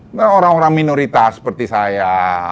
ini orang orang minoritas seperti saya